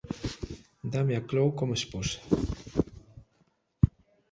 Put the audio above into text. Dáme a Cloe como esposa.